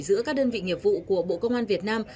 giữa các đơn vị nghiệp vụ của bộ công an việt nam